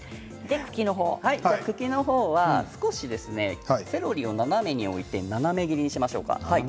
茎の方は少しセロリを斜めに置いて斜め切りにしましょうか。